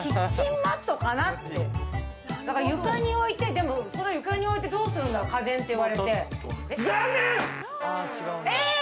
でも、床に置いてどうするんだろう、家電と言われて。